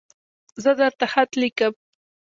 زه درته خط لیکم